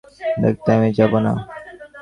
আমি তাঁকে বলেছিলুম, দাদাকে দেখতে আমি যাব না।